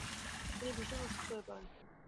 তিনি ভীষন অসুস্থ হয়ে পড়েন।